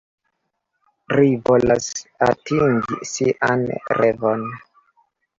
Ri volas atingi sian revon.